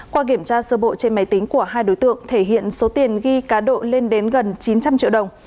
qua kiểm tra sơ bộ trên máy tính của hai đối tượng thể hiện số tiền ghi cá độ lên đến gần chín trăm linh triệu đồng